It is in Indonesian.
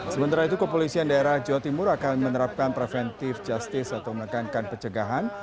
sementara itu kepolisian daerah jawa timur akan menerapkan preventive justice atau menekankan pencegahan